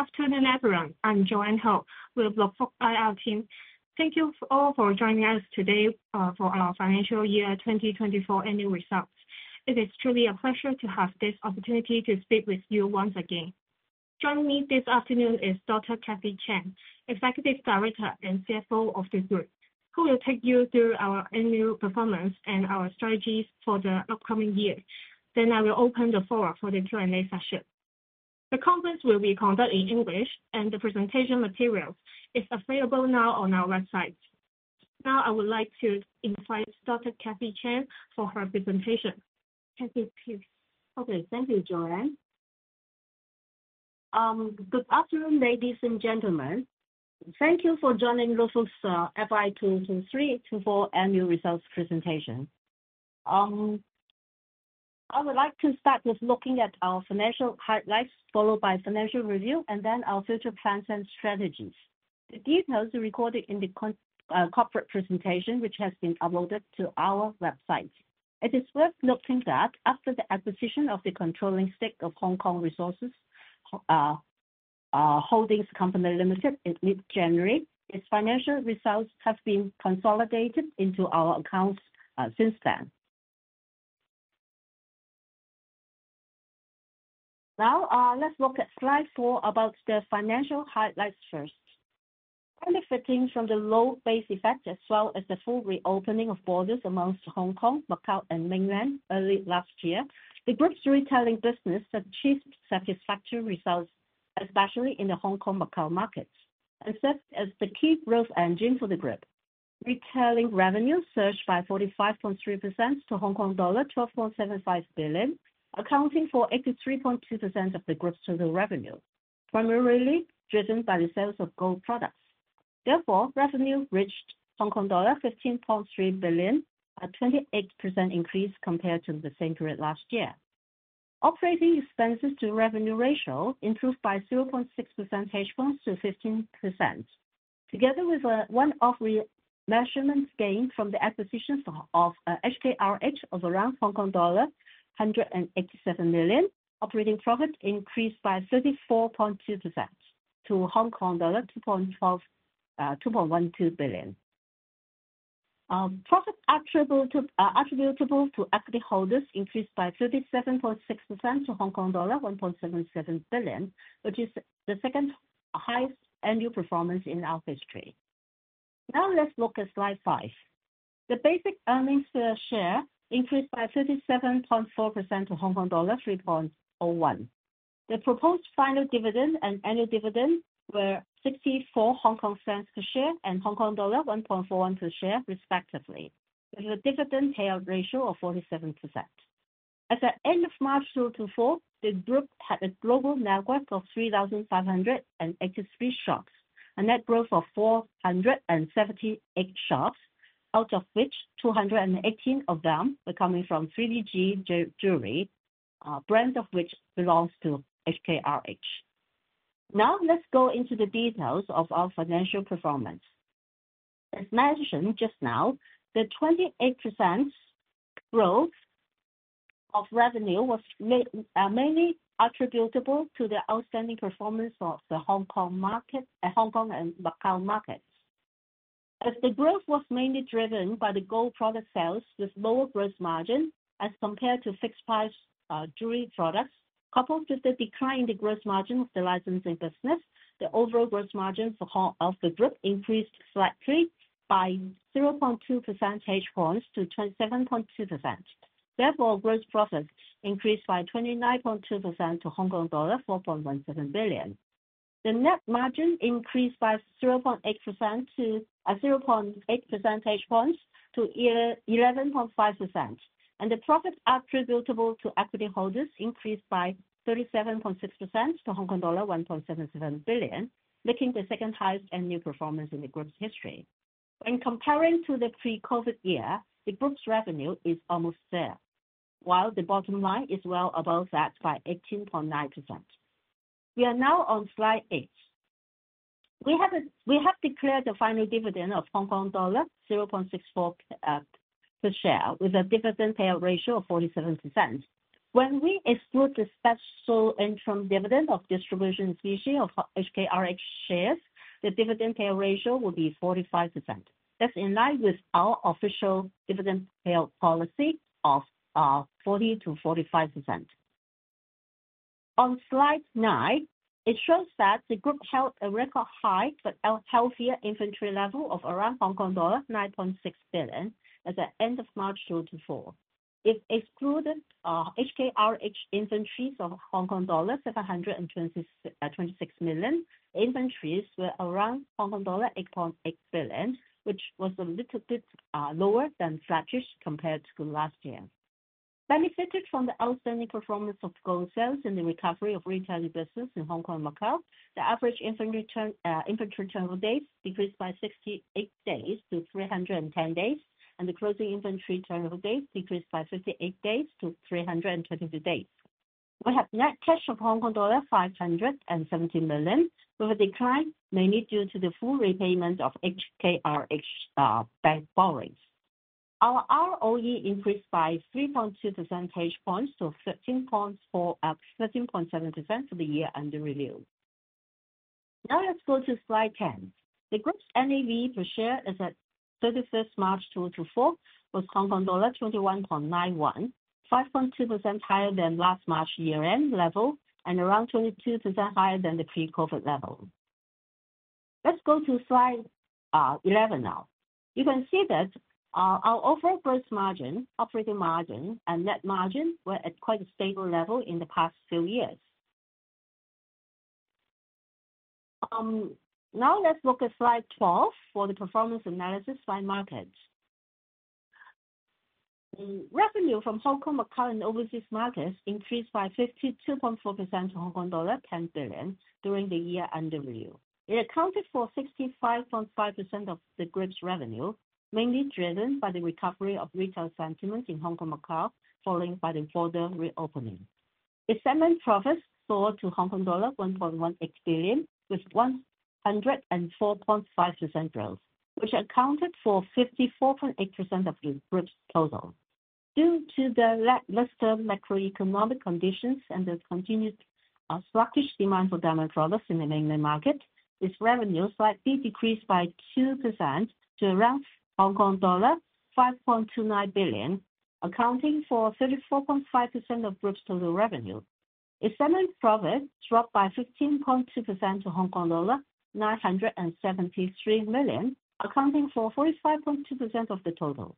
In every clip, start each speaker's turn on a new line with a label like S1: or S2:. S1: Good afternoon, everyone. I'm Joanne Ho. We're joined by our team. Thank you all for joining us today for our financial year 2024 annual results. It is truly a pleasure to have this opportunity to speak with you once again. Joining me this afternoon is Dr. Kathy Chan, Executive Director and CFO of the group, who will take you through our annual performance and our strategies for the upcoming year. Then I will open the floor for the Q&A session. The conference will be conducted in English, and the presentation material is available now on our website. Now, I would like to invite Dr. Kathy Chan for her presentation.
S2: Thank you, Keith. Okay, thank you, Joanne. Good afternoon, ladies and gentlemen. Thank you for joining Luk Fook's FY 2024 annual results presentation. I would like to start with looking at our financial highlights, followed by financial review, and then our future plans and strategies. The details are recorded in the corporate presentation, which has been uploaded to our website. It is worth noting that after the acquisition of the controlling stake of Hong Kong Resources Holdings Company Limited in mid-January, its financial results have been consolidated into our accounts since then. Now, let's look at slide four about the financial highlights first. Benefiting from the low base effect as well as the full reopening of borders amongst Hong Kong, Macau, and Mainland early last year, the group's retailing business achieved satisfactory results, especially in the Hong Kong Macau markets, and served as the key growth engine for the group. Retailing revenue surged by 45.3% to Hong Kong dollar 12.75 billion, accounting for 83.2% of the group's total revenue, primarily driven by the sales of gold products. Therefore, revenue reached Hong Kong dollar 15.3 billion, a 28% increase compared to the same period last year. Operating expenses to revenue ratio improved by 0.6%, which points to 15%. Together with a one-off remeasurement gain from the acquisition of HKRH of around Hong Kong dollar 187 million, operating profit increased by 34.2% to 2.12 billion. Profit attributable to equity holders increased by 37.6% to Hong Kong dollar 1.77 billion, which is the second highest annual performance in our history. Now, let's look at slide five. The basic earnings per share increased by 37.4% to Hong Kong dollar 3.01. The proposed final dividend and annual dividend were 0.64 per share and Hong Kong dollar 1.41 per share, respectively, with a dividend payout ratio of 47%. At the end of March 2024, the group had a global network of 3,583 shops, a net growth of 478 shops, out of which 218 of them were coming from 3D-GOLD Jewellery, brand of which belongs to HKRH. Now, let's go into the details of our financial performance. As mentioned just now, the 28% growth of revenue was mainly attributable to the outstanding performance of the Hong Kong market and Hong Kong and Macau markets. As the growth was mainly driven by the gold product sales with lower gross margin as compared to fixed price jewelry products, coupled with the decline in the gross margin of the licensing business, the overall gross margin for the group increased slightly by 0.2 percentage points to 27.2%. Therefore, gross profit increased by 29.2% to Hong Kong dollar 4.17 billion. The net margin increased by 0.8% to 11.5%, and the profit attributable to equity holders increased by 37.6% to Hong Kong dollar 1.77 billion, making the second highest annual performance in the group's history. When comparing to the pre-COVID year, the group's revenue is almost there, while the bottom line is well above that by 18.9%. We are now on slide eight. We have declared the final dividend of Hong Kong dollar 0.64 per share with a dividend payout ratio of 47%. When we exclude the special interim dividend of distribution in specie of HKRH shares, the dividend payout ratio would be 45%. That's in line with our official dividend payout policy of 40%-45%. On slide nine, it shows that the group held a record high for a healthier inventory level of around Hong Kong dollar 9.6 billion at the end of March 2024. If excluded HKRH inventories of Hong Kong dollars 726 million, inventories were around Hong Kong dollar 8.8 billion, which was a little bit lower than flattish compared to last year. Benefited from the outstanding performance of gold sales and the recovery of retailing business in Hong Kong and Macau, the average inventory turnover days decreased by 68 days to 310 days, and the closing inventory turnover days decreased by 58 days to 322 days. We have net cash of Hong Kong dollar 570 million, with a decline mainly due to the full repayment of HKRH bank borrowings. Our ROE increased by 3.2 percentage points to 13.7% for the year under review. Now let's go to slide 10. The group's NAV per share as at 31st March 2024 was Hong Kong dollar 21.91, 5.2% higher than last March year-end level and around 22% higher than the pre-COVID level. Let's go to slide 11 now. You can see that our overall gross margin, operating margin, and net margin were at quite a stable level in the past few years. Now let's look at slide 12 for the performance analysis by markets. Revenue from Hong Kong, Macau, and overseas markets increased by 52.4% to Hong Kong dollar 10 billion during the year under review. It accounted for 65.5% of the group's revenue, mainly driven by the recovery of retail sentiment in Hong Kong, Macau, followed by the border reopening. Adjusted profits soared to Hong Kong dollar 1.18 billion with 104.5% growth, which accounted for 54.8% of the group's total. Due to the lackluster macroeconomic conditions and the continued sluggish demand for diamond products in the mainland market, its revenue slightly decreased by 2% to around Hong Kong dollar 5.29 billion, accounting for 34.5% of group's total revenue. Adjusted profits dropped by 15.2% to Hong Kong dollar 973 million, accounting for 45.2% of the total.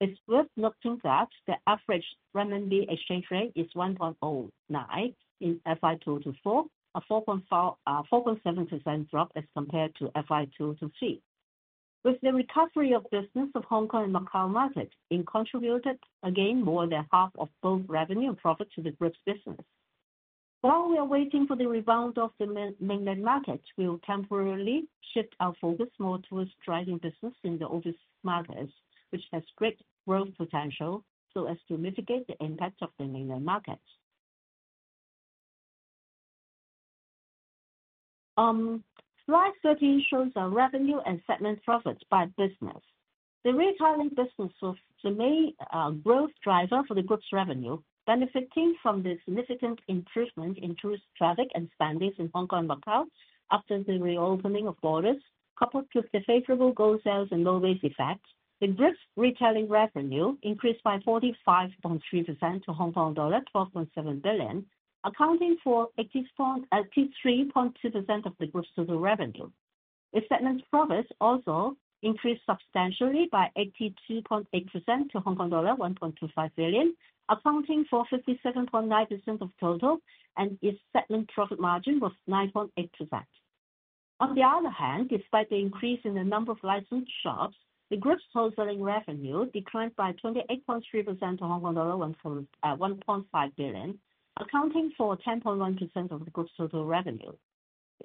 S2: It's worth noting that the average renminbi exchange rate is 1.09 in FY 2024, a 4.7% drop as compared to FY 2023. With the recovery of business of Hong Kong and Macau markets, it contributed again more than half of both revenue and profit to the group's business. While we are waiting for the rebound of the Mainland markets, we will temporarily shift our focus more towards driving business in the overseas markets, which has great growth potential so as to mitigate the impact of the Mainland markets. Slide 13 shows our revenue and adjusted profits by business. The retailing business was the main growth driver for the group's revenue, benefiting from the significant improvement in tourist traffic and spending in Hong Kong and Macau after the reopening of borders, coupled with the favorable gold sales and low base effect. The group's retailing revenue increased by 45.3% to Hong Kong dollar 12.7 billion, accounting for 83.2% of the group's total revenue. Adjusted profits also increased substantially by 82.8% to Hong Kong dollar 1.25 billion, accounting for 57.9% of total, and its adjusted profit margin was 9.8%. On the other hand, despite the increase in the number of licensed shops, the group's wholesaling revenue declined by 28.3% to Hong Kong dollar 1.5 billion, accounting for 10.1% of the group's total revenue.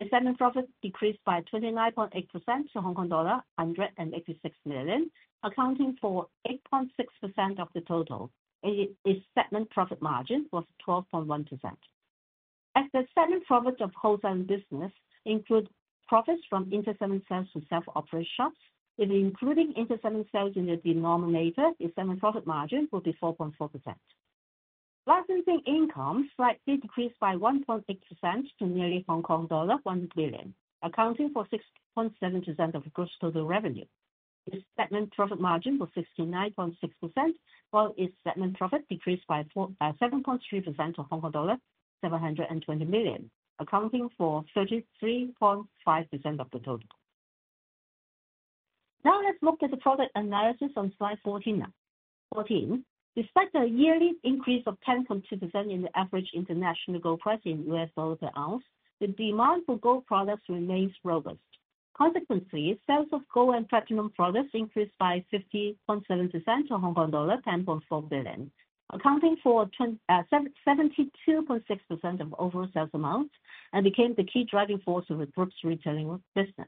S2: Adjusted profits decreased by 29.8% to Hong Kong dollar 186 million, accounting for 8.6% of the total. Adjusted profit margin was 12.1%. As the adjusted profits of wholesaling business include profits from inter-segment sales to self-operated shops, including inter-segment sales in the denominator, adjusted profit margin would be 4.4%. Licensing income slightly decreased by 1.8% to nearly Hong Kong dollar 1 billion, accounting for 6.7% of the group's total revenue. Its investment profit margin was 69.6%, while its investment profit decreased by 7.3% to Hong Kong dollar 720 million, accounting for 33.5% of the total. Now let's look at the product analysis on slide 14. Despite the yearly increase of 10.2% in the average international gold price in US dollars per ounce, the demand for gold products remains robust. Consequently, sales of gold and platinum products increased by 50.7% to Hong Kong dollar 10.4 billion, accounting for 72.6% of overall sales amount and became the key driving force of the group's retailing business.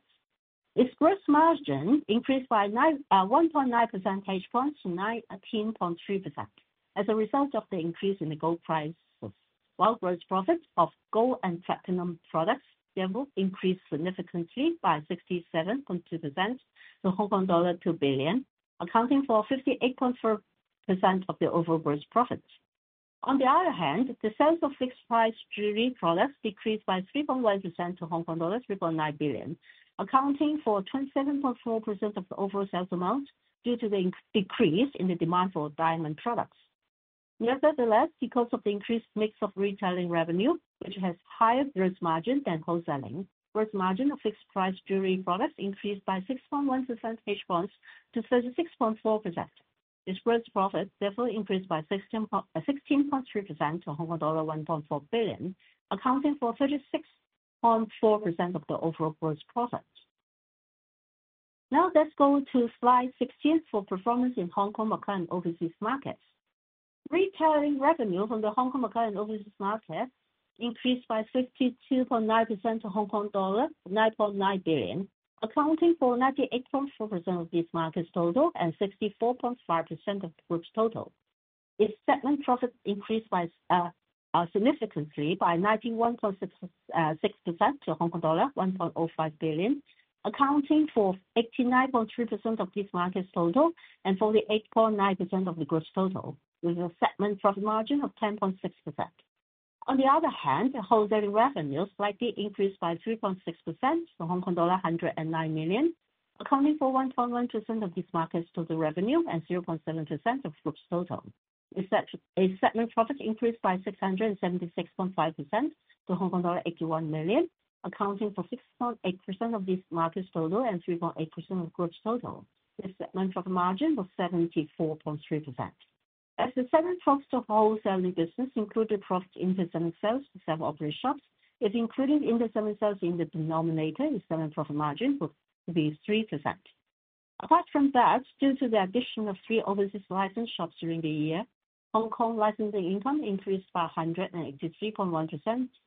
S2: Its gross margin increased by 1.9 percentage points to 19.3% as a result of the increase in the gold prices. While gross profits of gold and platinum products increased significantly by 67.2% to Hong Kong dollar 2 billion, accounting for 58.4% of the overall gross profits. On the other hand, the sales of fixed price jewelry products decreased by 3.1% to Hong Kong dollars 3.9 billion, accounting for 27.4% of the overall sales amount due to the decrease in the demand for diamond products. Nevertheless, because of the increased mix of retailing revenue, which has higher gross margin than wholesaling, gross margin of fixed price jewelry products increased by 6.1 percentage points to 36.4%. Its gross profit therefore increased by 16.3% to Hong Kong dollar 1.4 billion, accounting for 36.4% of the overall gross profits. Now let's go to slide 16 for performance in Hong Kong, Macau, and overseas markets. Retailing revenue from the Hong Kong, Macau, and overseas markets increased by 52.9% to Hong Kong dollar 9.9 billion, accounting for 98.4% of these markets' total and 64.5% of the group's total. Its segment profit increased significantly by 91.6% to Hong Kong dollar 1.05 billion, accounting for 89.3% of the segment's total and 48.9% of the Group's total, with a segment profit margin of 10.6%. On the other hand, wholesaling revenue slightly increased by 3.6% to Hong Kong dollar 109 million, accounting for 1.1% of the segment's total revenue and 0.7% of Group's total. Its segment profit increased by 676.5% to Hong Kong dollar 81 million, accounting for 6.8% of the segment's total and 3.8% of Group's total. Its segment profit margin was 74.3%. As the segment profit of wholesaling business included profits in inter-segment sales to self-operated shops, it included inter-segment sales in the denominator. Its segment profit margin would be 3%. Apart from that, due to the addition of 3 overseas licensed shops during the year, Hong Kong licensing income increased by 183.1%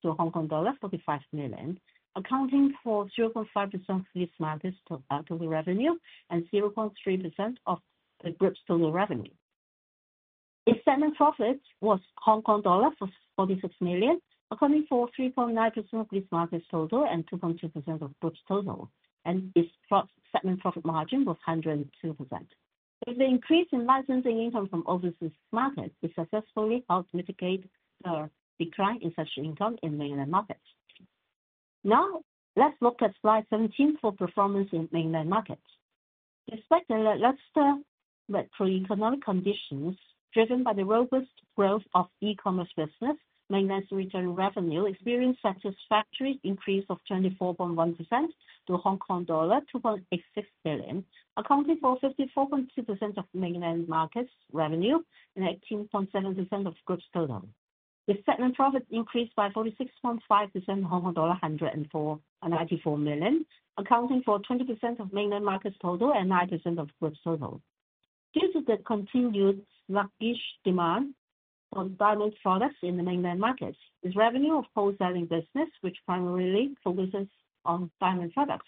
S2: to HKD 45 million, accounting for 0.5% of these markets' total revenue and 0.3% of the group's total revenue. Its assignment profit was 46 million Hong Kong dollar, accounting for 3.9% of these markets' total and 2.2% of group's total, and its assignment profit margin was 102%. With the increase in licensing income from overseas markets, it successfully helped mitigate the decline in such income in Mainland markets. Now let's look at slide 17 for performance in Mainland markets. Despite the lackluster macroeconomic conditions driven by the robust growth of e-commerce business, mainland's retailing revenue experienced satisfactory increase of 24.1% to Hong Kong dollar 2.86 billion, accounting for 54.2% of mainland markets revenue and 18.7% of group's total. Its assignment profit increased by 46.5% to Hong Kong dollar 194 million, accounting for 20% of Mainland markets total and 9% of group's total. Due to the continued sluggish demand for diamond products in the Mainland markets, its revenue of wholesaling business, which primarily focuses on diamond products,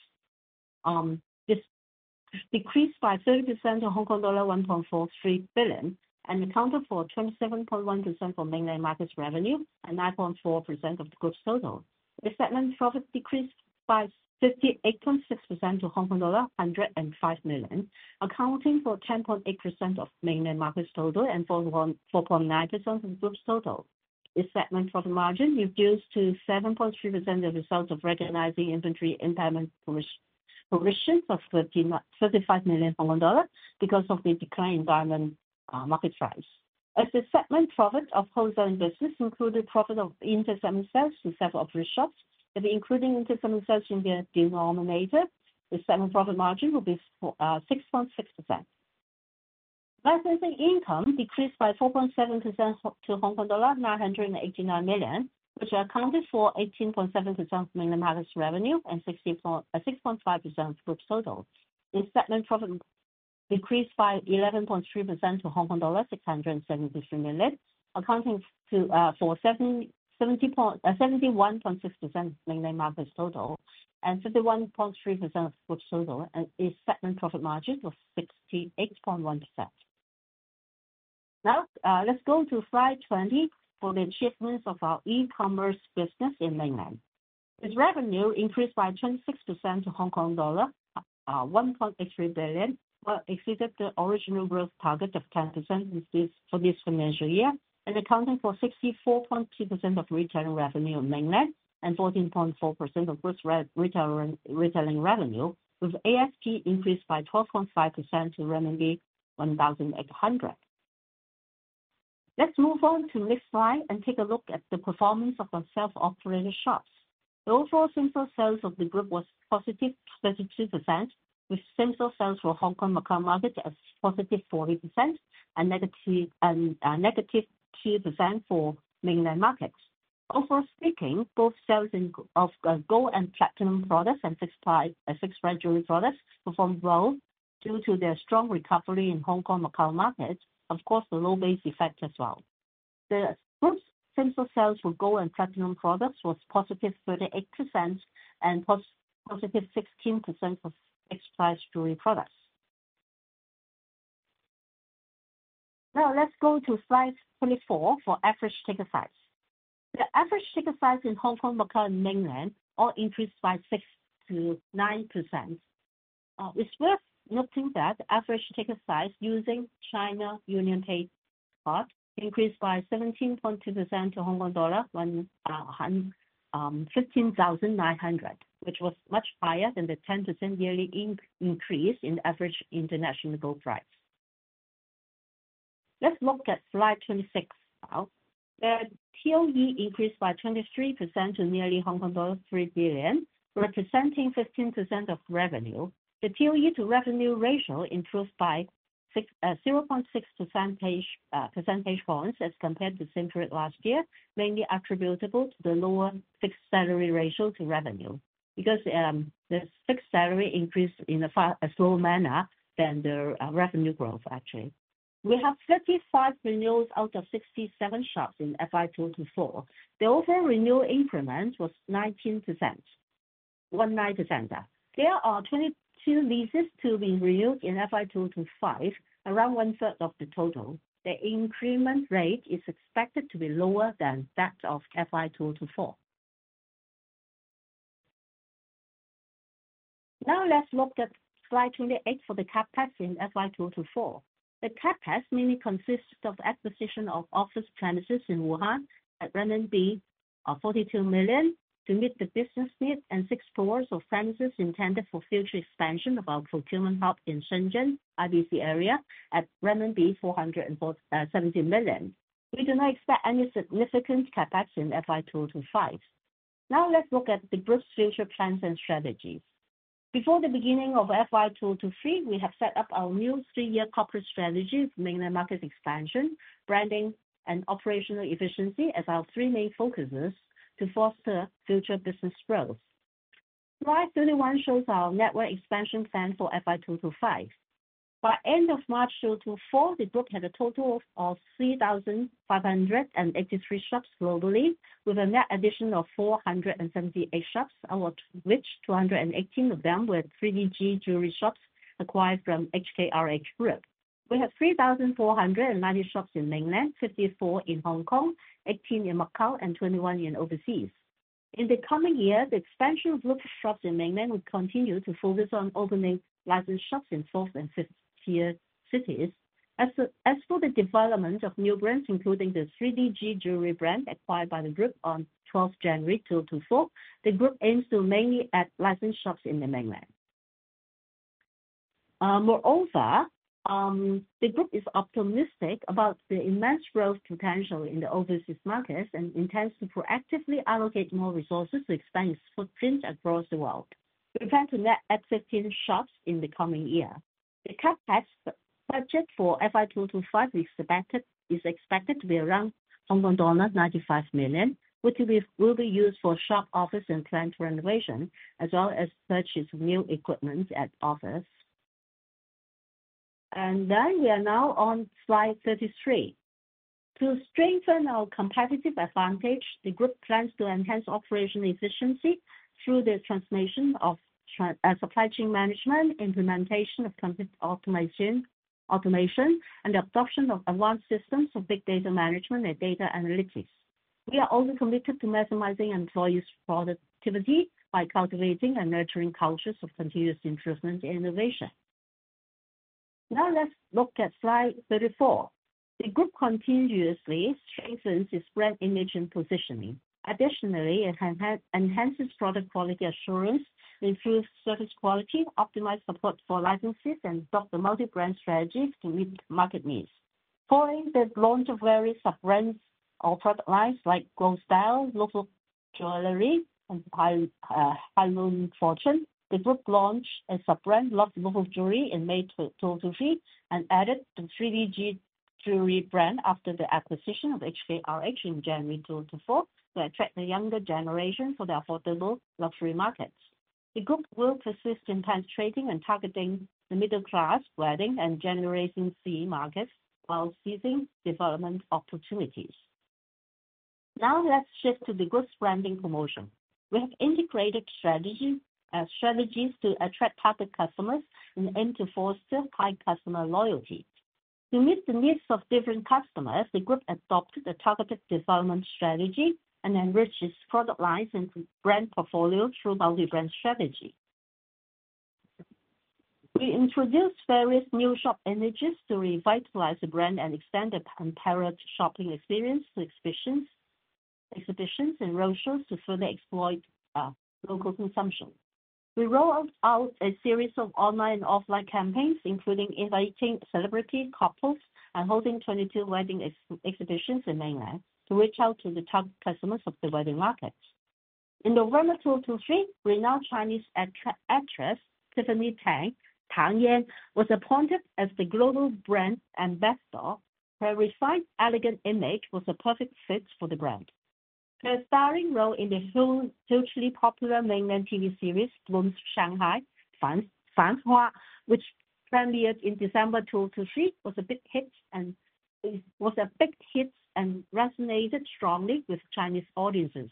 S2: decreased by 30% to Hong Kong dollar 1.43 billion and accounted for 27.1% for Mainland markets revenue and 9.4% of the group's total. Its assignment profit decreased by 58.6% to HKD 105 million, accounting for and accounted for 64.2% of retailing revenue in mainland and 14.4% of group's retailing revenue, with ASP increased by 12.5% to 1,800. Let's move on to the next slide and take a look at the performance of our self-operated shops. The overall same-store sales of the group was +32%, with same-store sales for Hong Kong, Macau markets as +40% and -2% for mainland markets. Overall speaking, both sales of gold and platinum products and fixed price jewelry products performed well due to their strong recovery in Hong Kong, Macau markets, of course the low base effect as well. The group's same-store sales for gold and platinum products was +38% and +16% for fixed price jewelry products. Now let's go to slide 24 for average ticket size. The average ticket size in Hong Kong, Macau, and mainland all increased by 6%-9%. It's worth noting that the average ticket size using China UnionPay card increased by 17.2% to dollar 15,900, which was much higher than the 10% yearly increase in average international gold price. Let's look at slide 26 now. The TOE increased by 23% to nearly Hong Kong dollar 3 billion, representing 15% of revenue. The TOE to revenue ratio improved by 0.6 percentage points as compared to the same period last year, mainly attributable to the lower fixed salary ratio to revenue because the fixed salary increased in a slow manner than the revenue growth actually. We have 35 renewals out of 67 shops in FY 2024. The overall renewal increment was 19%. There are 22 leases to be renewed in FY 2025, around one third of the total. The increment rate is expected to be lower than that of FY 2024. Now let's look at slide 28 for the CAPEX in FY 2024. The CAPEX mainly consists of the acquisition of office premises in Wuhan at 42 million renminbi to meet the business need and six floors of premises intended for future expansion of our procurement hub in Shenzhen, IBC area at renminbi 470 million. We do not expect any significant CAPEX in FY 2025. Now let's look at the group's future plans and strategies. Before the beginning of FY 2023, we have set up our new three-year corporate strategy for mainland market expansion, branding, and operational efficiency as our three main focuses to foster future business growth. Slide 31 shows our network expansion plan for FY 2025. By the end of March 2024, the group had a total of 3,583 shops globally, with a net addition of 478 shops, out of which 218 of them were 3DG Jewellery shops acquired from HKRH Group. We have 3,490 shops in mainland, 54 in Hong Kong, 18 in Macau, and 21 in overseas. In the coming year, the expansion of group shops in mainland will continue to focus on opening licensed shops in fourth and fifth-tier cities. As for the development of new brands, including the 3D-GOLD Jewellery brand acquired by the group on 12 January 2024, the group aims to mainly add licensed shops in the mainland. Moreover, the group is optimistic about the immense growth potential in the overseas markets and intends to proactively allocate more resources to expand its footprint across the world. We plan to net 15 shops in the coming year. The CAPEX budget for FY 2025 is expected to be around Hong Kong dollar 95 million, which will be used for shop, office, and plant renovation, as well as purchase of new equipment at office. We are now on slide 33. To strengthen our competitive advantage, the group plans to enhance operational efficiency through the transformation of supply chain management, implementation of automation, and the adoption of advanced systems for big data management and data analytics. We are also committed to maximizing employees' productivity by cultivating and nurturing cultures of continuous improvement and innovation. Now let's look at slide 34. The group continuously strengthens its brand image and positioning. Additionally, it enhances product quality assurance, improves service quality, optimized support for licenses, and adopts a multi-brand strategy to meet market needs. Following the launch of various sub-brands or product lines like Goldstyle, Luk Fook Jewellery, andHeirloom Fortune, the group launched a sub-brand Luxe Luk Fook Jewellery in May 2023 and added the 3DG Jewellery brand after the acquisition of HKRH in January 2024 to attract the younger generation for their affordable luxury markets. The group will persist in penetrating and targeting the middle-class wedding and Generation C markets while seizing development opportunities. Now let's shift to the group's branding promotion. We have integrated strategies to attract target customers and aim to foster high customer loyalty. To meet the needs of different customers, the group adopted a targeted development strategy and enriches product lines and brand portfolio through multi-brand strategy. We introduced various new shop images to revitalize the brand and extend the compared shopping experience to exhibitions and roadshows to further exploit local consumption. We rolled out a series of online and offline campaigns, including inviting celebrity couples and holding 22 wedding exhibitions in mainland to reach out to the target customers of the wedding markets. In November 2023, renowned Chinese actress Tiffany Tang was appointed as the global brand ambassador. Her refined, elegant image was a perfect fit for the brand. Her starring role in the hugely popular mainland TV series Blossoms Shanghai, which premiered in December 2023, was a big hit and resonated strongly with Chinese audiences.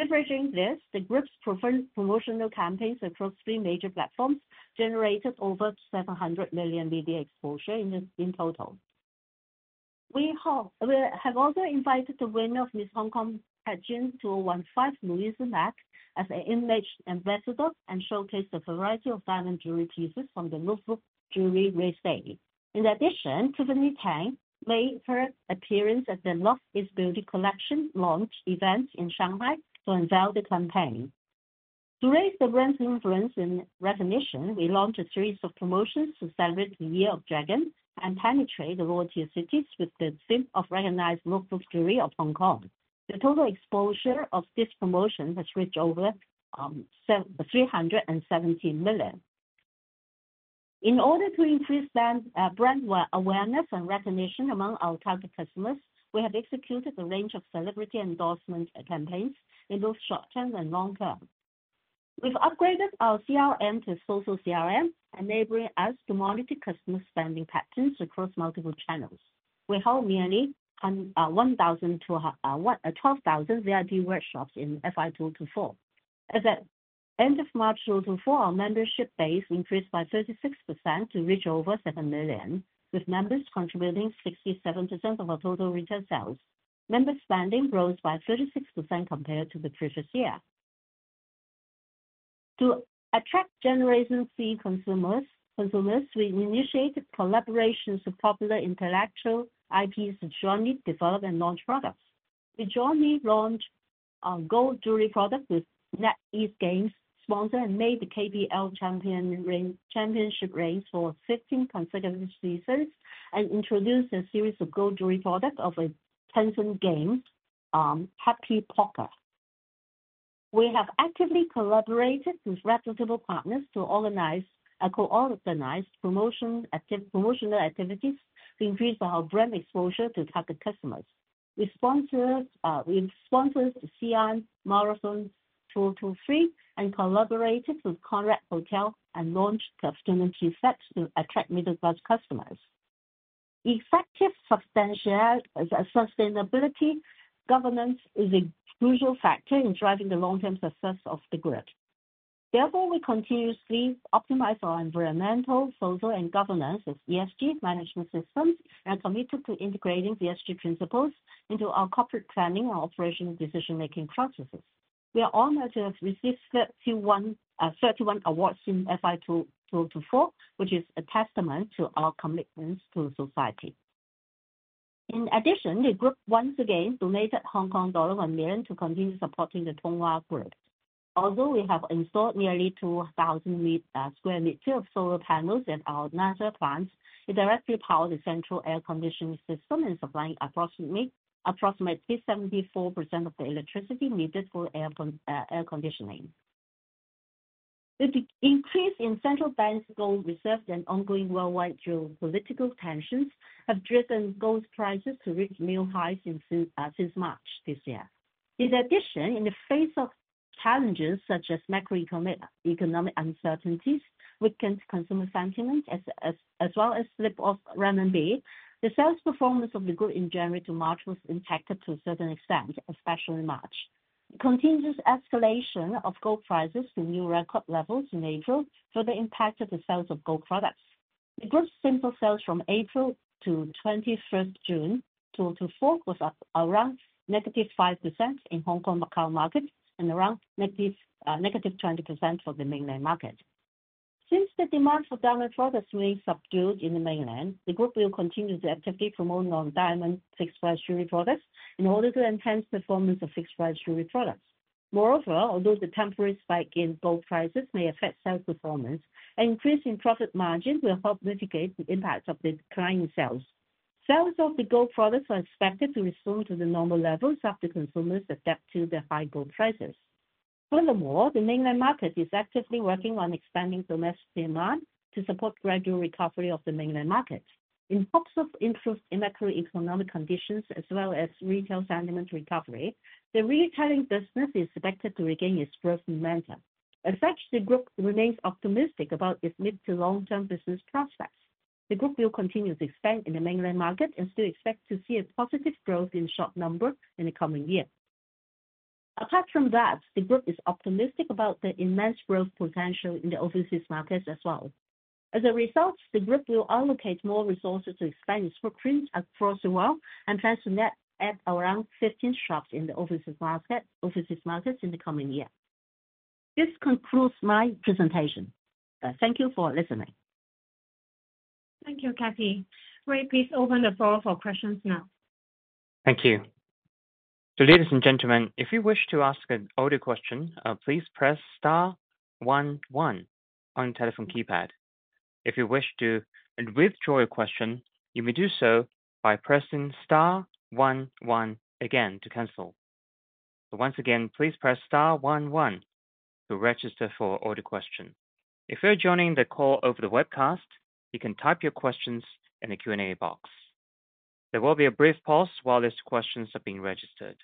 S2: Leveraging this, the group's promotional campaigns across three major platforms generated over 700 million media exposure in total. We have also invited the winner of Miss Hong Kong 2015 Louisa Mak as an image ambassador and showcased a variety of diamond jewelry pieces from the Luk Fook Jewellery collection. In addition, Tiffany Tang made her appearance at the Love is Beauty Collection launch event in Shanghai to unveil the campaign. To raise the brand's influence and recognition, we launched a series of promotions to celebrate the Year of Dragon and penetrate the lower-tier cities with the theme of recognized Luk Fook Jewellery of Hong Kong. The total exposure of this promotion has reached over 370 million. In order to increase brand awareness and recognition among our target customers, we have executed a range of celebrity endorsement campaigns in both short-term and long-term. We've upgraded our CRM to social CRM, enabling us to monitor customer spending patterns across multiple channels. We hold nearly 12,000 VIP workshops in FY 2024. At the end of March 2024, our membership base increased by 36% to reach over 7 million, with members contributing 67% of our total retail sales. Member spending rose by 36% compared to the previous year. To attract Generation Z consumers, we initiated collaborations with popular intellectual IPs to jointly develop and launch products. We jointly launched our gold jewelry product with NetEase Games sponsor and made the KPL Championship range for 15 consecutive seasons and introduced a series of gold jewelry products of a Tencent game, Happy Poker. We have actively collaborated with reputable partners to organize promotional activities to increase our brand exposure to target customers. We sponsored the Xi’an Marathon 2023 and collaborated with Conrad Hotel and launched the Funeng Qǐshì to attract middle-class customers. Effective sustainability governance is a crucial factor in driving the long-term success of the group. Therefore, we continuously optimize our environmental, social, and governance of ESG management systems and are committed to integrating ESG principles into our corporate planning and operational decision-making processes. We are honored to have received 31 awards in FY 2024, which is a testament to our commitment to society. In addition, the group once again donated Hong Kong dollar 1 million to continue supporting the Tung Wah Group of Hospitals. Although we have installed nearly 2,000 square meters of solar panels at our headquarters, it directly powers the central air conditioning system and supplies approximately 74% of the electricity needed for air conditioning. The increase in central banks' gold reserves and ongoing worldwide geopolitical tensions have driven gold prices to reach new highs since March this year. In addition, in the face of challenges such as macroeconomic uncertainties, weakened consumer sentiment, as well as slip of renminbi, the sales performance of the group in January to March was impacted to a certain extent, especially March. The continuous escalation of gold prices to new record levels in April further impacted the sales of gold products. The group's simple sales from April to June 21st, 2024 was around -5% in Hong Kong, Macau market, and around -20% for the mainland market. Since the demand for diamond products may subdue in the mainland, the group will continue to actively promote non-diamond fixed price jewelry products in order to enhance the performance of fixed price jewelry products. Moreover, although the temporary spike in gold prices may affect sales performance, an increase in profit margin will help mitigate the impact of the declining sales. Sales of the gold products are expected to resume to the normal levels after consumers adapt to the high gold prices. Furthermore, the mainland market is actively working on expanding domestic demand to support gradual recovery of the mainland market. In hopes of improved macroeconomic conditions as well as retail sentiment recovery, the retailing business is expected to regain its growth momentum. As such, the group remains optimistic about its mid- to long-term business prospects. The group will continue to expand in the mainland market and still expect to see a positive growth in short term in the coming year. Apart from that, the group is optimistic about the immense growth potential in the overseas markets as well. As a result, the group will allocate more resources to expand its footprint across the world and plan to net at around 15 shops in the overseas markets in the coming year. This concludes my presentation. Thank you for listening.
S1: Thank you, Kathy. Great. Please open the floor for questions now. Thank you.
S3: So ladies and gentlemen, if you wish to ask an audio question, please press star one one on the telephone keypad. If you wish to withdraw your question, you may do so by pressing star one one again to cancel. So once again, please press star 11 to register for an audio question. If you're joining the call over the webcast, you can type your questions in the Q&A box. There will be a brief pause while these questions are being registered.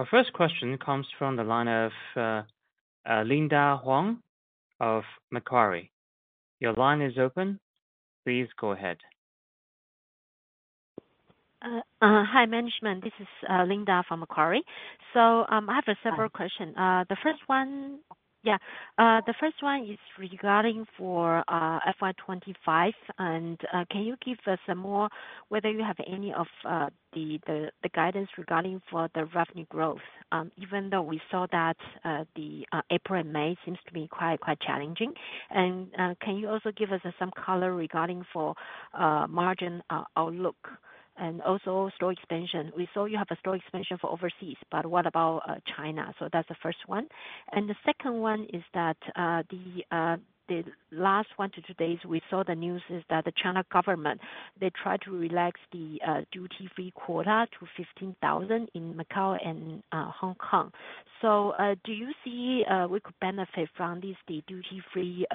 S3: Our first question comes from the line of Linda Huang of Macquarie. Your line is open. Please go ahead.
S4: Hi, management. This is Linda from Macquarie. So I have several questions. The first one, yeah, the first one is regarding for FY25, and can you give us more whether you have any of the guidance regarding for the revenue growth, even though we saw that the April and May seems to be quite challenging? And can you also give us some color regarding for margin outlook and also store expansion? We saw you have a store expansion for overseas, but what about China? So that's the first one. And the second one is that the last 1 to 2 days, we saw the news is that the China government, they tried to relax the duty-free quota to 15,000 in Macau and Hong Kong. So do you see we could benefit from this duty-free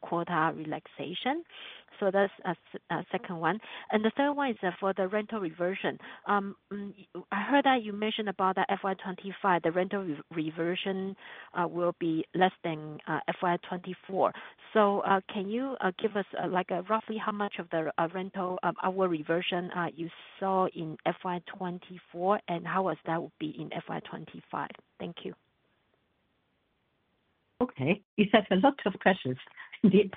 S4: quota relaxation? So that's a second one. And the third one is for the rental reversion. I heard that you mentioned about the FY2025, the rental reversion will be less than FY2024. So can you give us roughly how much of the rental reversion you saw in FY2024 and how much that would be in FY2025? Thank you.
S2: Okay. You said a lot of questions. Okay.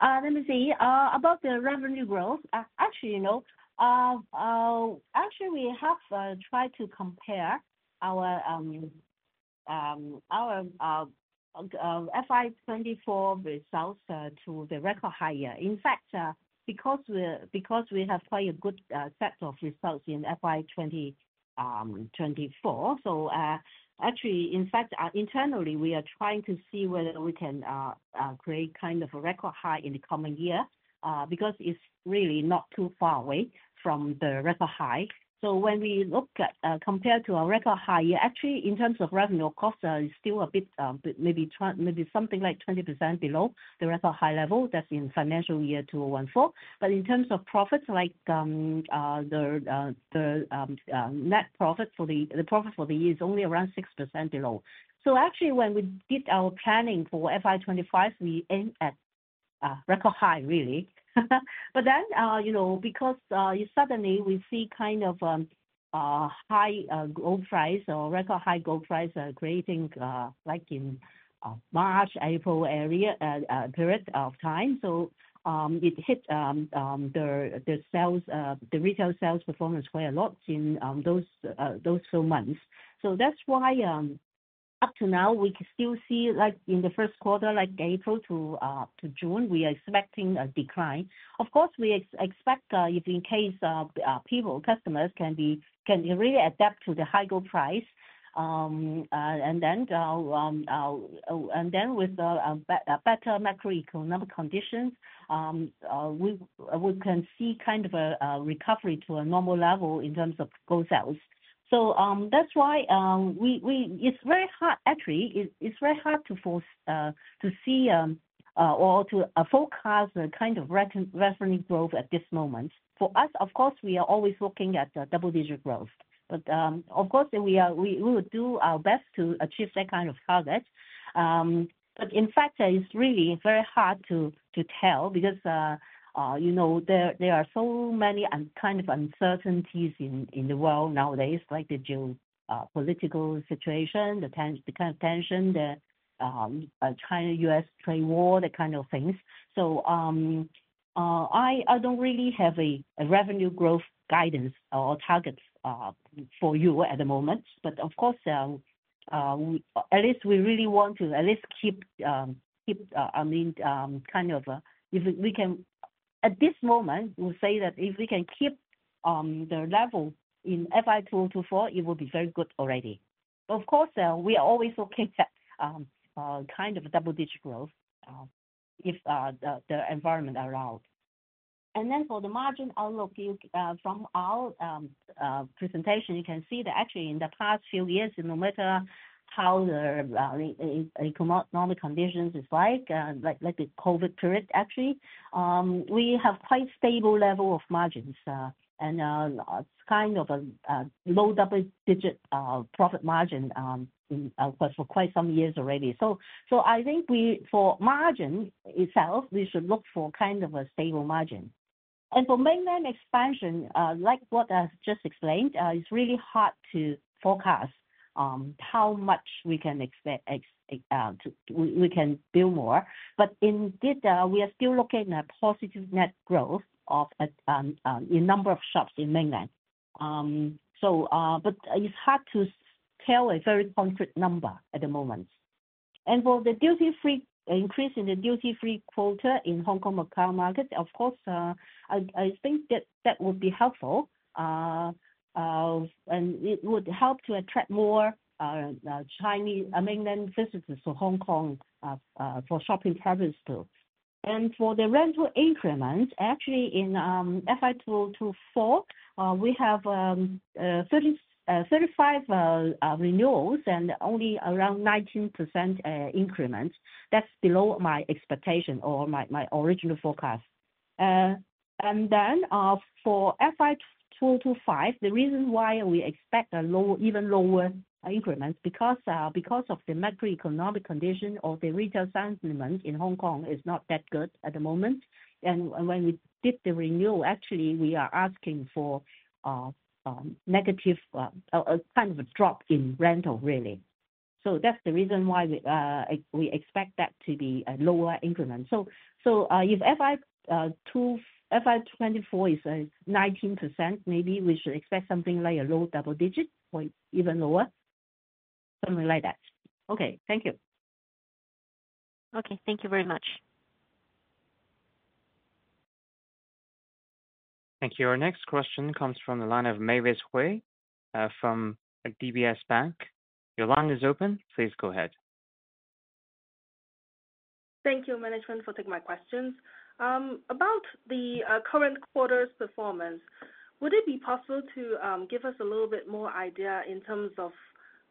S2: Let me see. About the revenue growth, actually, actually we have tried to compare our FY2024 results to the record high year. In fact, because we have quite a good set of results in FY2024, so actually, in fact, internally, we are trying to see whether we can create kind of a record high in the coming year because it's really not too far away from the record high. So when we look at compared to our record high year, actually, in terms of revenue, of course, it's still a bit, maybe something like 20% below the record high level. That's in financial year 2024. But in terms of profits, like the net profit for the profit for the year is only around 6% below. So actually, when we did our planning for FY25, we aimed at record high, really. But then because suddenly we see kind of high gold price or record high gold price creating like in March, April area period of time, so it hit the retail sales performance quite a lot in those few months. So that's why up to now, we can still see like in the Q1, like April to June, we are expecting a decline. Of course, we expect if in case people, customers can really adapt to the high gold price. And then with better macroeconomic conditions, we can see kind of a recovery to a normal level in terms of gold sales. That's why it's very hard, actually, it's very hard to see or to forecast the kind of revenue growth at this moment. For us, of course, we are always looking at double-digit growth. But of course, we will do our best to achieve that kind of target. But in fact, it's really very hard to tell because there are so many kind of uncertainties in the world nowadays, like the geopolitical situation, the kind of tension, the China-U.S. trade war, that kind of things. So I don't really have a revenue growth guidance or targets for you at the moment. But of course, at least we really want to at least keep, I mean, kind of if we can at this moment, we'll say that if we can keep the level in FY 2024, it will be very good already. Of course, we are always looking at kind of double-digit growth if the environment allows. Then for the margin outlook, from our presentation, you can see that actually in the past few years, no matter how the economic conditions is like, like the COVID period, actually, we have quite stable level of margins and kind of a low double-digit profit margin for quite some years already. I think for margin itself, we should look for kind of a stable margin. For mainland expansion, like what I've just explained, it's really hard to forecast how much we can build more. Indeed, we are still looking at positive net growth of a number of shops in mainland. It's hard to tell a very concrete number at the moment. And for the duty-free increase in the duty-free quota in Hong Kong, Macau markets, of course, I think that that would be helpful. And it would help to attract more Chinese mainland visitors to Hong Kong for shopping purposes too. And for the rental increments, actually in FY 2024, we have 35 renewals and only around 19% increments. That's below my expectation or my original forecast. And then for FY 2025, the reason why we expect even lower increments is because of the macroeconomic condition or the retail sentiment in Hong Kong is not that good at the moment. And when we did the renewal, actually, we are asking for a negative kind of a drop in rental, really. So that's the reason why we expect that to be a lower increment. So if FY 2024 is 19%, maybe we should expect something like a low double-digit or even lower, something like that. Okay. Thank you.
S4: Okay. Thank you very much.
S3: Thank you. Our next question comes from the line of Mavis Hui from DBS Bank. Your line is open. Please go ahead.
S5: Thank you, management, for taking my questions. About the current quarter's performance, would it be possible to give us a little bit more idea in terms of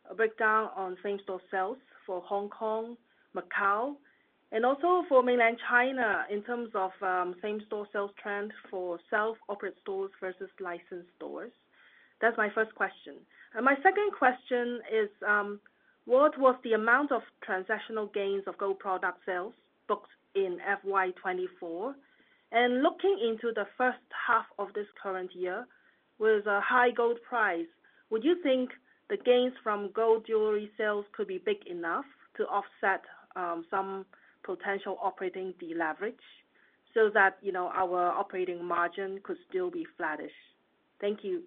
S5: a breakdown on same-store sales for Hong Kong, Macau, and also for Mainland China in terms of same-store sales trend for self-operated stores versus licensed stores? That's my first question. And my second question is, what was the amount of transactional gains of gold product sales booked in FY2024? Looking into the first half of this current year with a high gold price, would you think the gains from gold jewelry sales could be big enough to offset some potential operating deleverage so that our operating margin could still be flattish?
S2: Thank you.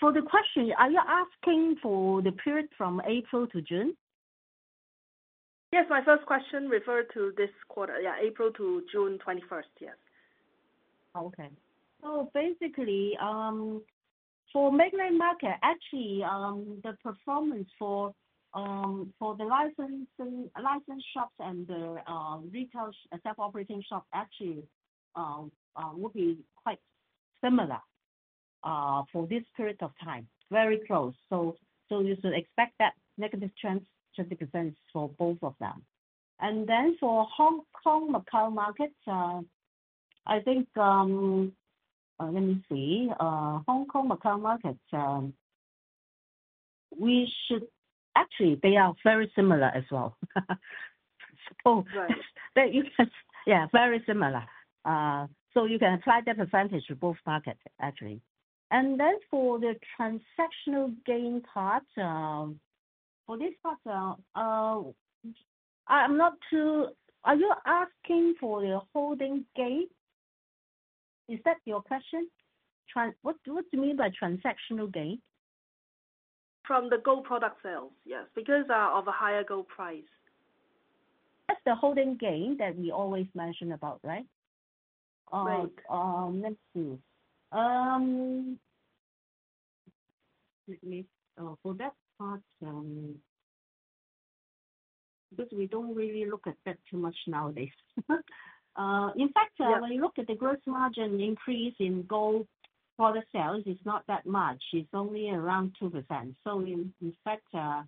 S2: For the question, are you asking for the period from April to June?
S5: Yes. My first question referred to this quarter, yeah, April to June 21st, yes.
S2: Okay. Basically, for mainland market, actually, the performance for the licensed shops and the retail self-operating shops actually would be quite similar for this period of time, very close. So you should expect that negative trend, 20% for both of them. Then for Hong Kong, Macau market, I think let me see. Hong Kong, Macau market, we should actually, they are very similar as well. Yeah, very similar. So you can apply that percentage to both markets, actually. And then for the transactional gain part, for this part, I'm not too—are you asking for the holding gain? Is that your question? What do you mean by transactional gain? From the gold product sales, yes, because of a higher gold price. That's the holding gain that we always mention about, right? Right. Let's see. For that part, because we don't really look at that too much nowadays. In fact, when you look at the gross margin increase in gold product sales, it's not that much. It's only around 2%. So in fact, at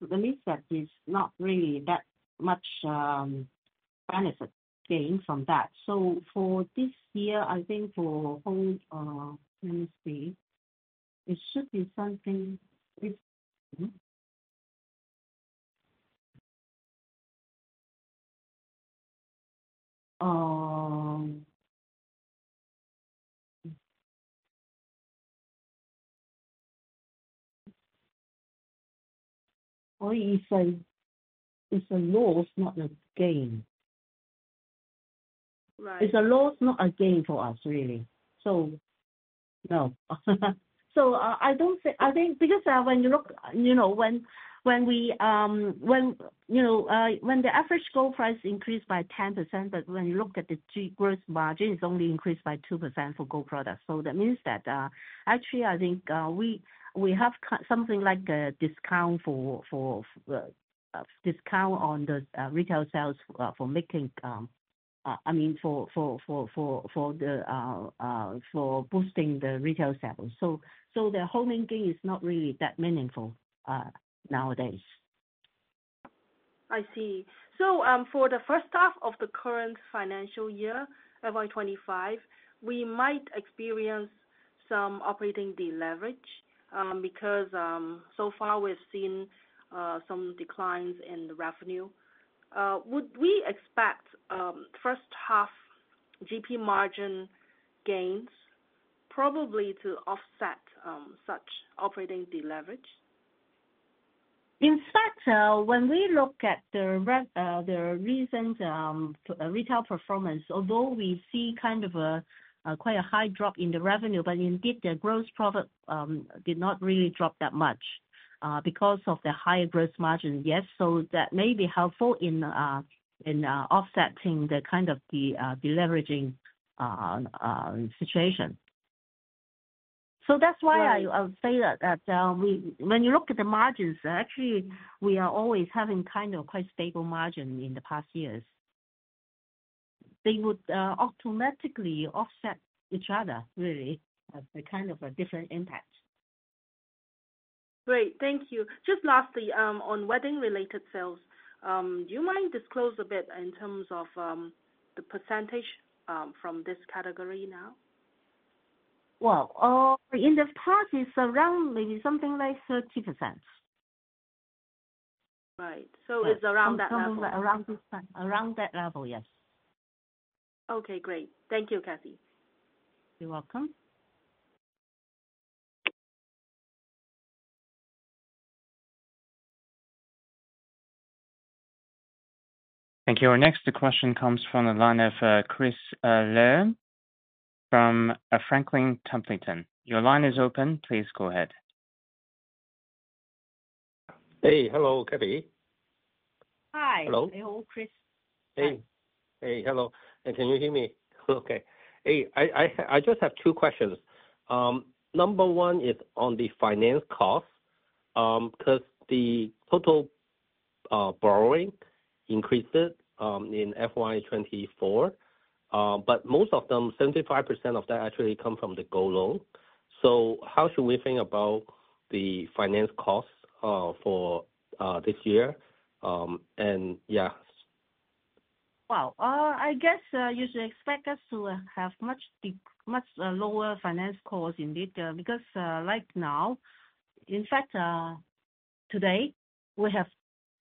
S2: least that is not really that much benefit gain from that. So for this year, I think for whole—let me see. It should be something or it's a loss, not a gain. It's a loss, not a gain for us, really. So no. So I think because when you look, when the average gold price increased by 10%, but when you look at the gross margin, it's only increased by 2% for gold products. So that means that actually, I think we have something like a discount for discount on the retail sales for making, I mean, for boosting the retail sales. So the holding gain is not really that meaningful nowadays. I see. So for the first half of the current financial year, FY25, we might experience some operating deleverage because so far we've seen some declines in the revenue. Would we expect first half GP margin gains probably to offset such operating deleverage? In fact, when we look at the recent retail performance, although we see kind of quite a high drop in the revenue, but indeed, the gross profit did not really drop that much because of the higher gross margin, yes. So that may be helpful in offsetting the kind of deleveraging situation. So that's why I would say that when you look at the margins, actually, we are always having kind of quite stable margin in the past years. They would automatically offset each other, really, kind of a different impact.
S5: Great. Thank you. Just lastly, on wedding-related sales, do you mind disclosing a bit in terms of the percentage from this category now?
S2: Well, in the past, it's around maybe something like 30%.
S5: Right. So it's around that level.
S2: Around that level, yes.
S5: Okay. Great. Thank you, Kathy.
S2: You're welcome.
S3: Thank you. Our next question comes from the line of Chris Leung from Franklin Templeton. Your line is open. Please go ahead.
S6: Hey. Hello, Kathy.
S2: Hi.
S6: Hello.
S2: Hello, Chris.
S6: Hey. Hey. Hello. Can you hear me? Okay. Hey. I just have two questions. Number one is on the finance cost because the total borrowing increased in FY2024. But most of them, 75% of that actually comes from the Gold loan. So how should we think about the finance costs for this year? And yeah.
S2: Well, I guess you should expect us to have much lower finance costs indeed because right now, in fact, today, we have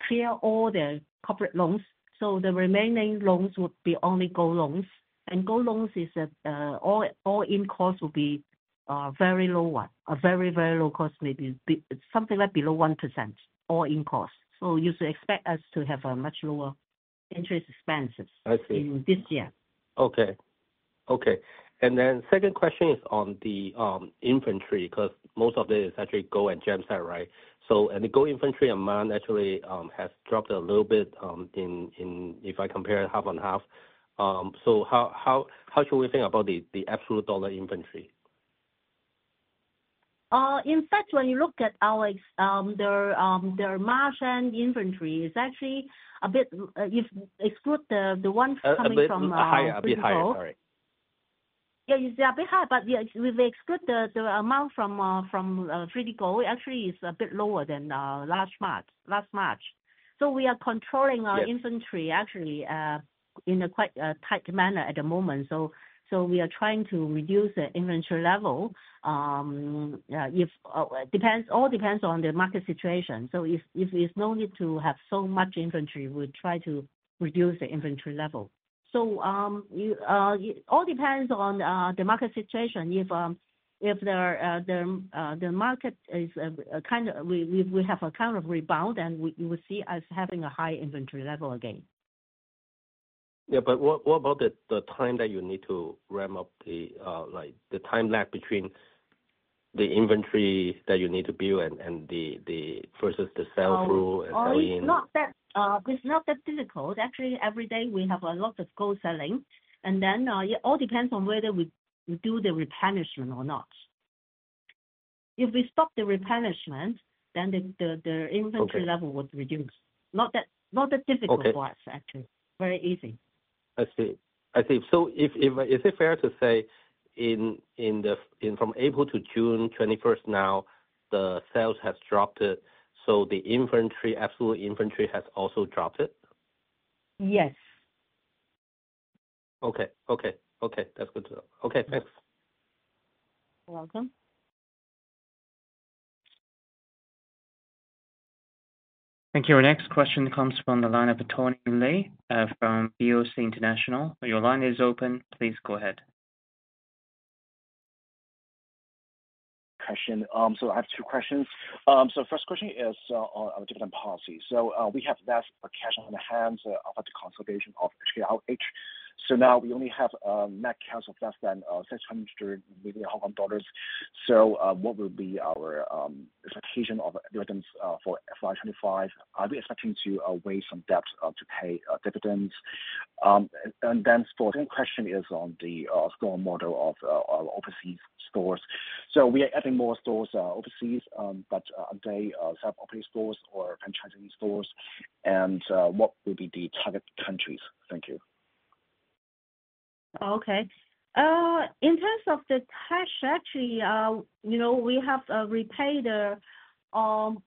S2: cleared all the corporate loans. So the remaining loans would be only Gold loans. And Gold loans is all in cost would be very low one, a very, very low cost, maybe something like below 1% all in cost. So you should expect us to have a much lower interest expenses in this year.
S6: I see. Okay. Okay. And then second question is on the inventory because most of it is actually gold and gems, right? And the gold inventory amount actually has dropped a little bit if I compare half and half. So how should we think about the absolute dollar inventory?
S2: In fact, when you look at our non-gold inventory, it's actually a bit higher if we exclude the one coming from gold. A bit higher, a bit higher, sorry. Yeah, it's a bit higher. But if we exclude the amount from 3DG, it actually is a bit lower than last March. So we are controlling our inventory actually in a quite tight manner at the moment. So we are trying to reduce the inventory level. It all depends on the market situation. So if there's no need to have so much inventory, we try to reduce the inventory level. So it all depends on the market situation. If the market is kind of we have a kind of rebound, then we will see us having a high inventory level again.
S6: Yeah. But what about the time that you need to ramp up the time lag between the inventory that you need to build versus the sell-through and sell-in?
S2: It's not that difficult. Actually, every day, we have a lot of gold selling. And then it all depends on whether we do the replenishment or not. If we stop the replenishment, then the inventory level would reduce. Not that difficult for us, actually. Very easy.
S6: I see. I see. So is it fair to say from April to June 21st now, the sales have dropped, so the absolute inventory has also dropped?
S2: Yes.
S6: Okay. Okay. Okay. That's good to know. Okay. Thanks.
S2: You're welcome.
S3: Thank you. Our next question comes from the line of Tony Li from BOC International. Your line is open. Please go ahead.
S7: Question. I have two questions. The first question is on dividend policy. We have less cash on hand after the consolidation of HKRH. Now we only have net cash of less than 600 million Hong Kong dollars. What will be our expectation of dividends for FY25? Are we expecting to waive some debt to pay dividends? The second question is on the store model of overseas stores. We are adding more stores overseas, but are they self-operated stores or franchising stores? What will be the target countries? Thank you.
S2: Okay. In terms of the cash, actually, we have repaid around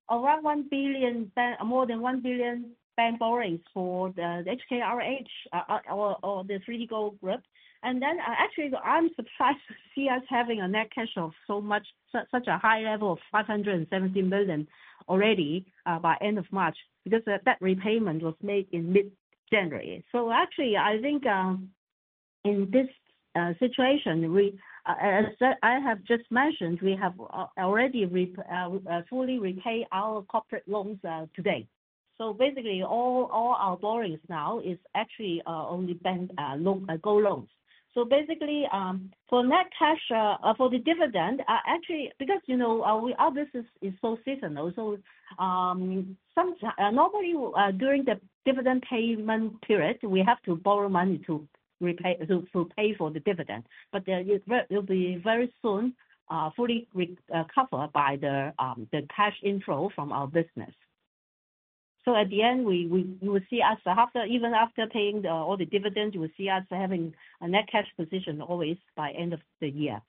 S2: more than 1 billion bank borrowings for the HKRH or the 3DG Jewellery. And then actually, I'm surprised to see us having a net cash of such a high level of 570 million already by end of March because that repayment was made in mid-January. So actually, I think in this situation, as I have just mentioned, we have already fully repaid our corporate loans today. So basically, all our borrowings now is actually only gold loans. So basically, for net cash for the dividend, actually, because our business is so seasonal. So normally, during the dividend payment period, we have to borrow money to pay for the dividend. But it will be very soon fully covered by the cash inflow from our business. So at the end, you will see us even after paying all the dividends, you will see us having a net cash position always by end of the year.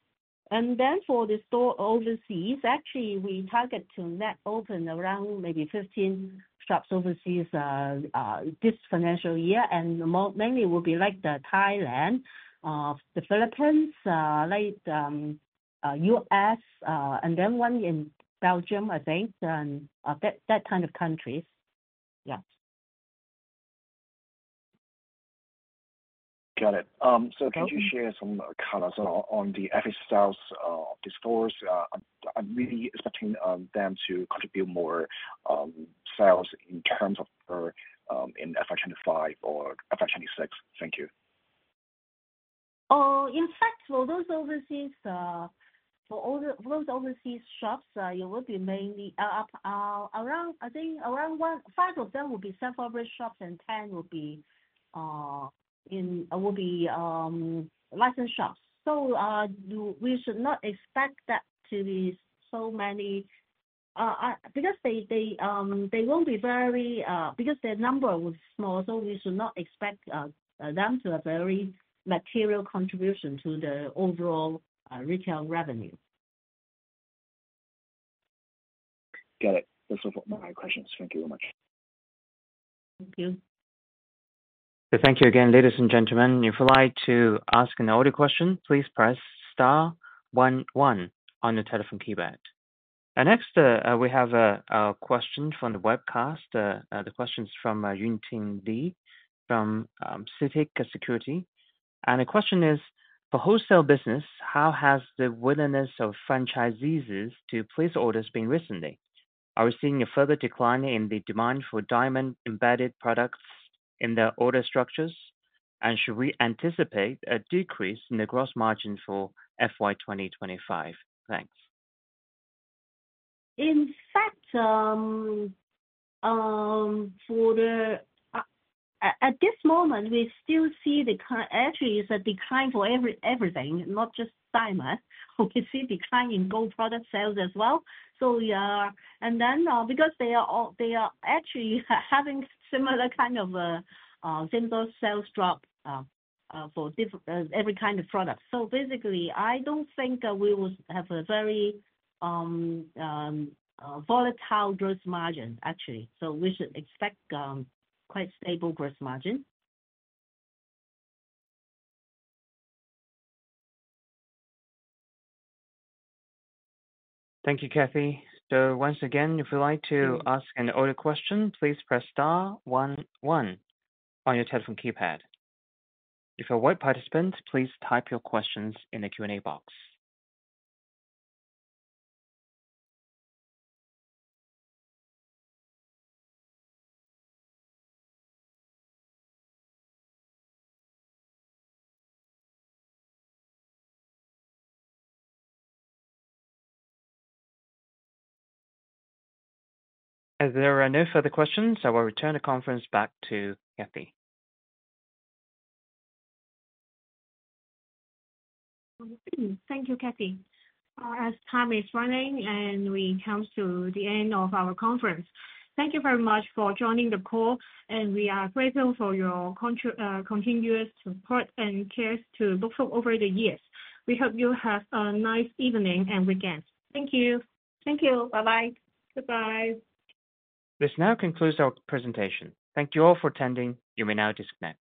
S2: And then for the store overseas, actually, we target to net open around maybe 15 shops overseas this financial year. And mainly, it will be like the Thailand developers, like US, and then one in Belgium, I think, and that kind of countries. Yeah.
S7: Got it. So can you share some comments on the average sales of these stores? I'm really expecting them to contribute more sales in terms of in FY25 or FY26. Thank you.
S2: In fact, for those overseas shops, it will be mainly around, I think, around 5 of them will be self-operated shops and 10 will be licensed shops. So we should not expect that to be so many because they won't be very because their number will be small. So we should not expect them to have very material contribution to the overall retail revenue.
S7: Got it. Those were my questions. Thank you very much.
S2: Thank you.
S3: Thank you again, ladies and gentlemen. If you'd like to ask an audio question, please press star one one on the telephone keypad. And next, we have a question from the webcast. The question is from Yunting Li from CITIC Securities. And the question is, for wholesale business, how has the willingness of franchisees to place orders been recently? Are we seeing a further decline in the demand for diamond-embedded products in the order structures? And should we anticipate a decrease in the gross margin for FY2025? Thanks.
S2: In fact, at this moment, we still see the kind actually, it's a decline for everything, not just diamond. We see a decline in gold product sales as well. And then because they are actually having similar kind of similar sales drop for every kind of product. So basically, I don't think we will have a very volatile gross margin, actually. So we should expect quite stable gross margin.
S3: Thank you, Kathy. So once again, if you'd like to ask an audio question, please press star one one on your telephone keypad. If you're a web participant, please type your questions in the Q&A box. If there are no further questions, I will return the conference back to Kathy.
S1: Thank you, Kathy. As time is running and we come to the end of our conference, thank you very much for joining the call. We are grateful for your continuous support and care for Luk Fook over the years. We hope you have a nice evening and weekend. Thank you.
S2: Thank you. Bye-bye.
S1: Goodbye.
S3: This now concludes our presentation. Thank you all for attending. You may now disconnect.